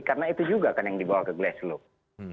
karena itu juga kan yang dibawa ke glacelove